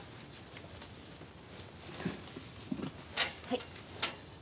はい。